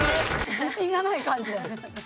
自信がない感じだよね。